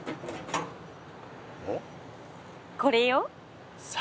これよ。